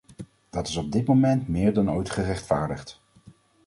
Dat is op dit moment meer dan ooit gerechtvaardigd.